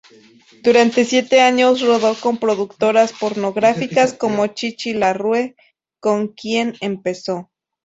Durante siete años rodó con productoras pornográficas como Chichi La Rue, con quien empezó.